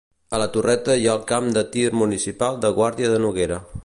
A la Torreta hi ha el Camp de tir municipal de Guàrdia de Noguera.